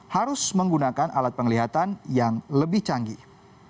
harus menggunakan alat penglihatan yang lebih canggih